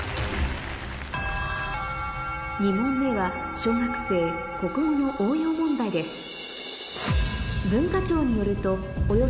２問目は小学生国語の応用問題ですあ。